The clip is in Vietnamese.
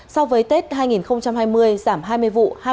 so với tết hai nghìn hai mươi giảm hai mươi vụ